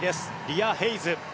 リア・ヘイズ。